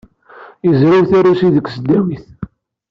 Yezrew tarusit deg tesdawit.